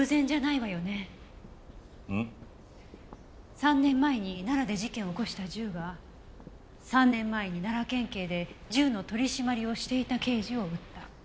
３年前に奈良で事件を起こした銃が３年前に奈良県警で銃の取り締まりをしていた刑事を撃った。